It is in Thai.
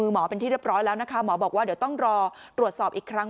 หมอบอกว่าเดี๋ยวต้องรอตรวจสอบอีกครั้ง